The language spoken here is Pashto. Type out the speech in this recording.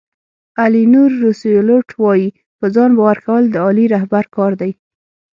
الینور روسیولوټ وایي په ځان باور کول د عالي رهبر کار دی.